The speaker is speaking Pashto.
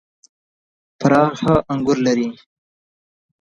فراه ښه انګور لري .